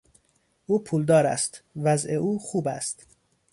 او پولدار است، وضع او خوب است.